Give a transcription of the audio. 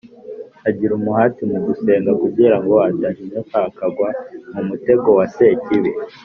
Agira umuhati mu gusenga kugira ngo adahinyuka akagwa mu mutego wa Sekibi